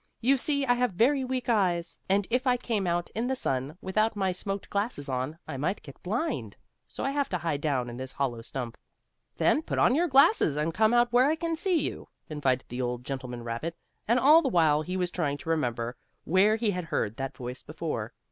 "You see I have very weak eyes, and if I came out in the sun, without my smoked glasses on, I might get blind. So I have to hide down in this hollow stump." "Then put on your glasses and come out where I can see you," invited the old gentleman rabbit, and all the while he was trying to remember where he had heard that voice before.